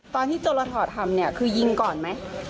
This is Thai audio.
ตอนที่จรถอดทำคือยิงก่อนไหม